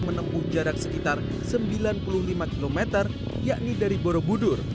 menempuh jarak sekitar sembilan puluh lima km yakni dari borobudur